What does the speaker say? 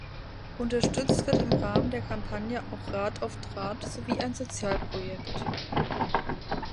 Unterstützt wird im Rahmen der Kampagne auch Rat auf Draht sowie ein Sozialprojekt.